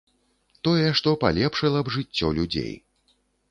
Тое, што палепшыла б жыццё людзей.